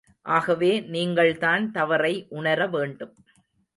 ஆகவே நீங்கள்தான் தவறை உணரவேண்டும்.